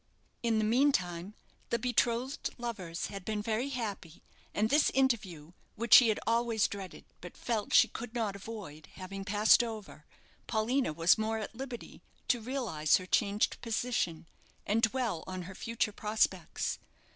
In the meantime, the betrothed lovers had been very happy and this interview, which she had always dreaded but felt she could not avoid, having passed over, Paulina was more at liberty to realize her changed position, and dwell on her future prospects.